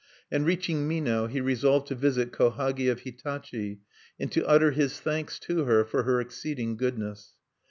And reaching Mino, he resolved to visit Kohagi of Hitachi, and to utter his thanks to her for her exceeding goodness.